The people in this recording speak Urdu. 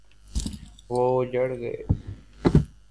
وہ اجڑ گئے۔